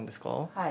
はい。